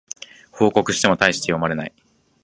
報告してもたいして読まれない